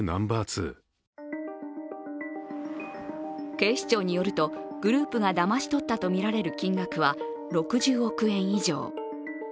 警視庁によると、グループがだまし取ったみられる金額は６０億円以上。